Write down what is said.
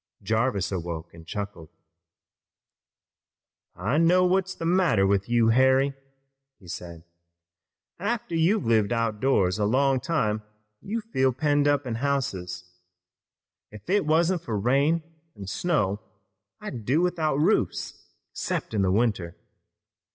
Jarvis awoke and chuckled. "I know what's the matter with you, Harry," he said. "After you've lived out of doors a long time you feel penned up in houses. If it wasn't for rain an' snow I'd do without roofs 'cept in winter.